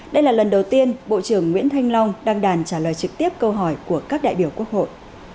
đây là lần đầu tiên bộ trưởng nguyễn thanh long đăng đàn trả lời trực tiếp câu hỏi của các đại biểu quốc hội